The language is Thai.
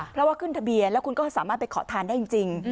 เพราะว่าขึ้นทะเบียนแล้วคุณก็สามารถไปขอทานได้จริง